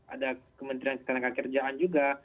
ada kementerian sekolah kekerjaan juga